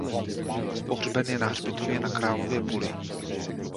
Pohřben je na hřbitově na Králově Poli.